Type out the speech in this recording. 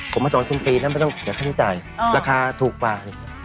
ผมมา๒๐ปีแล้วไม่ต้องแข่งใช้จ่ายราคาถูกกว่า